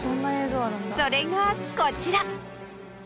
それがこちら。